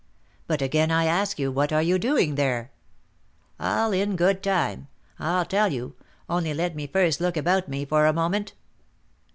"But again I ask you, what are you doing there?" "All in good time, I'll tell you; only let me first look about me for a moment."